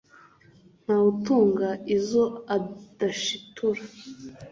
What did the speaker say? Ntawe utunga izo adashitura.